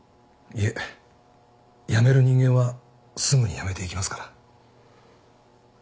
いえ辞める人間はすぐに辞めていきますから。